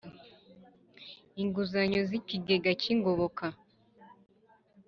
Inguzanyo z ikigega cy ingoboka